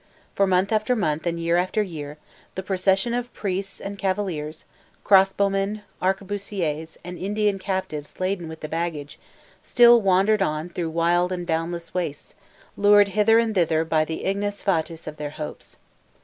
For month after month and year after year, the procession of priests and cavaliers, crossbowmen, arquebusiers, and Indian captives laden with the baggage, still wandered on through wild and boundless wastes, lured hither and thither by the ignis fatuus of their hopes.